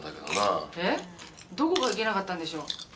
どこがいけなかったんでしょう？